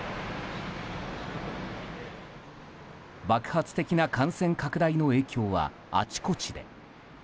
爆発的な感染拡大の影響はあちこちで。